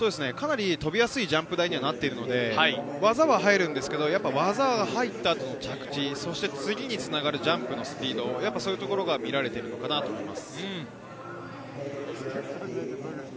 飛びやすいジャンプ台になっているので技は入るんですけれど、入った後の着地、そして、次につながるジャンプのスピードが見られていると思います。